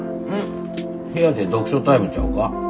部屋で読書タイムちゃうか。